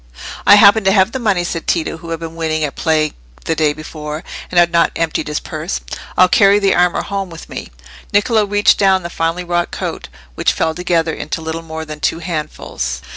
"I happen to have the money," said Tito, who had been winning at play the day before, and had not emptied his purse. "I'll carry the armour home with me." Niccolò reached down the finely wrought coat, which fell together into little more than two handfuls.